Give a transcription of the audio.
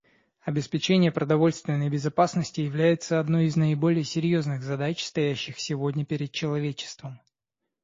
Обеспечение продовольственной безопасности является одной из наиболее серьезных задач, стоящих сегодня перед человечеством.